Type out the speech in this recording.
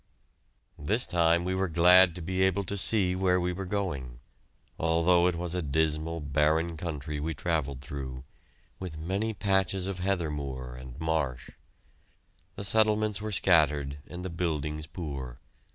This time we were glad to be able to see where we were going, although it was a dismal, barren country we travelled through, with many patches of heather moor and marsh. The settlements were scattered and the buildings poor.